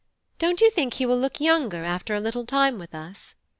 Don't you think he will look younger after a little time with us?"